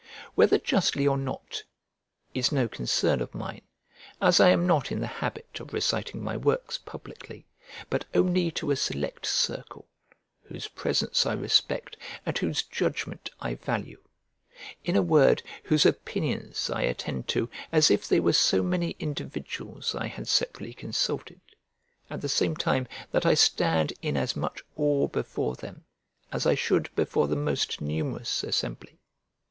Whether justly or not, is no concern of mine, as I am not in the habit of reciting my works publicly, but only to a select circle, whose presence I respect, and whose judgment I value; in a word, whose opinions I attend to as if they were so many individuals I had separately consulted, at the same time that I stand in as much awe before them as I should before the most numerous assembly.